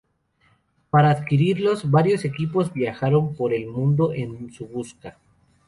Para adquirirlos, varios equipos viajaron por el mundo en su busca.